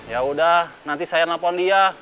yaudah nanti saya nelfon dia